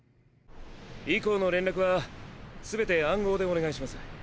以降の連絡は全て暗号でお願いします。